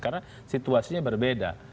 karena situasinya berbeda